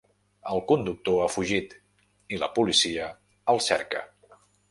El conductor ha fugit i la policia el cerca.